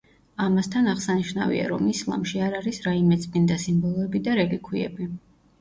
ამასთან, აღსანიშნავია, რომ ისლამში არ არის რაიმე წმინდა სიმბოლოები და რელიქვიები.